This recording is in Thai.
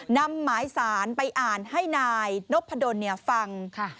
นำหมายสารไปอ่านให้นายนพดลฟัง